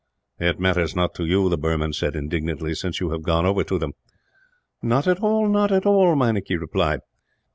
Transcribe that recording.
"It matters not to you," the Burman said indignantly, "since you have gone over to them." "Not at all, not at all," Meinik replied.